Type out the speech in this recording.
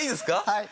はい。